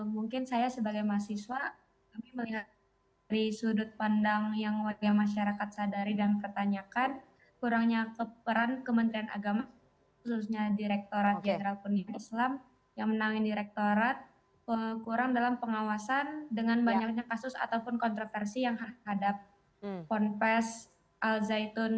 mungkin saya sebagai mahasiswa melihat dari sudut pandang yang masyarakat sadari dan pertanyakan kurangnya peran kementerian agama khususnya direktorat general pendidikan islam yang menangin direktorat kurang dalam pengawasan dengan banyaknya kasus ataupun kontroversi yang hadap puan pes al zaitun